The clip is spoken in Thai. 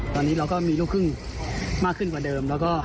ตอนนี้เราก็มีลูกครึ่งมากขึ้นกว่าเดิมแล้วก็